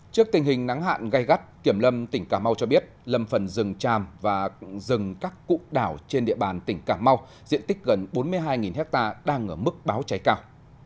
trước tình hình nắng hạn gây gắt kiểm lâm tỉnh cà mau cho biết lâm phần rừng tràm và rừng các cụ đảo trên địa bàn tỉnh cà mau diện tích gần bốn mươi hai ha đang ở mức báo cháy cao